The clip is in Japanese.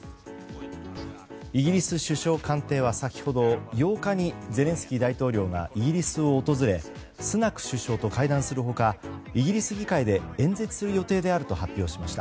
イギリス首相官邸は先ほど８日にゼレンスキー大統領がイギリスを訪れスナク首相と会談する他イギリス議会で演説する予定であると発表しました。